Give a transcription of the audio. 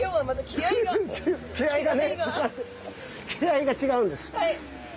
気合いが違うんです。